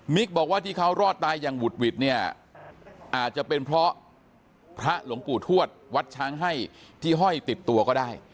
บอกว่าที่เขารอดตายอย่างหุดหวิดเนี่ยอาจจะเป็นเพราะพระหลวงปู่ทวดวัดช้างให้ที่ห้อยติดตัวก็ได้